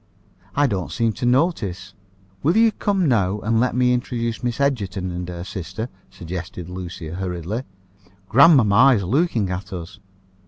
I don't seem to notice." "Will you come now and let me introduce Miss Egerton and her sister?" suggested Lucia hurriedly. "Grandmamma is looking at us."